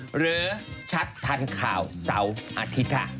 หรือชัดทันข่าวเสาร์อาทิตย์ค่ะ